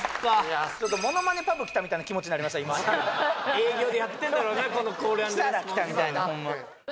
営業でやってんだろうなこのコール＆レスポンスキサラ来たみたいなホンマ